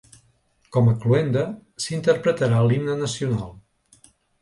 Com a cloenda, s’interpretarà l’himne nacional.